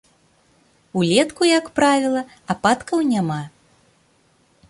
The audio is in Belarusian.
Улетку, як правіла, ападкаў няма.